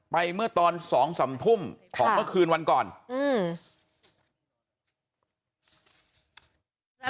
เมื่อตอนสองสามทุ่มของเมื่อคืนวันก่อนอืม